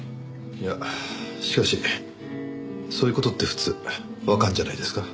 いやしかしそういう事って普通わかるんじゃないですか？